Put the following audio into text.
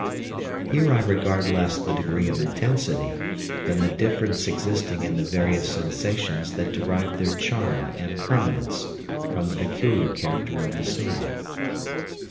Here I regard less the degree of intensity than the difference existing in the p 26 various sensations that derive their charm and permanence from the peculiar character of the scene.